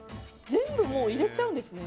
全部入れちゃうんですね